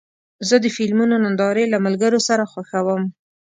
زه د فلمونو نندارې له ملګرو سره خوښوم.